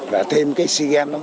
và thêm cái sea games